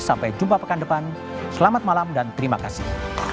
sampai jumpa pekan depan selamat malam dan terima kasih